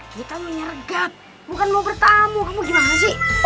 kita menyergap bukan mau bertamu kamu gimana sih